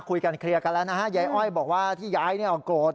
คุยกันเคลียร์กันแล้วนะฮะเย้อ้อยบอกว่าที่ย้ายก็โกรธ